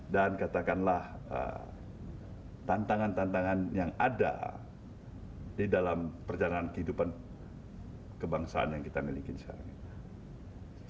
dan katakanlah tantangan tantangan yang ada di dalam perjalanan kehidupan kebangsaan yang kita miliki di sini